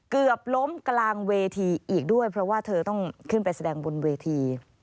เกือบล้มกลางเวทีอีกด้วยเพราะว่าเธอต้องขึ้นไปแสดงบนเวที